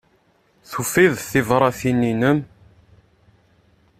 Tufiḍ tibṛatin-inem?